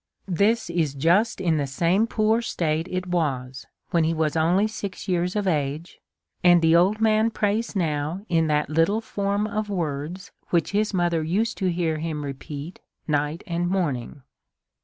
This is just in the same poor state it was when he was only six years of age, and the old man prays now in that little form of words which his mother used to hear him repeat night and morn ing.